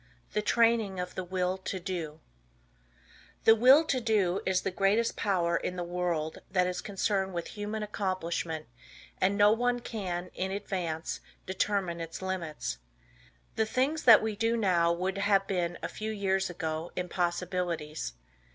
THE TRAINING OF THE WILL TO DO The Will To Do is the greatest power in the world that is concerned with human accomplishment and no one can in advance determine its limits. The things that we do now would have been a few ages ago impossibilities.